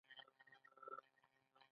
آیا نړیوال شرکتونه هلته نه راځي؟